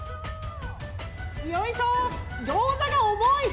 よいしょ！